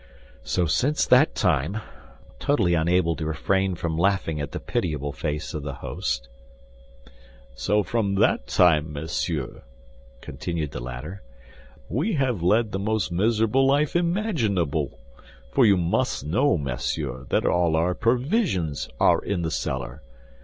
"So that since that time—" replied D'Artagnan, totally unable to refrain from laughing at the pitiable face of the host. "So from that time, monsieur," continued the latter, "we have led the most miserable life imaginable; for you must know, monsieur, that all our provisions are in the cellar.